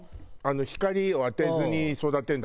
光を当てずに育てるんだもんね。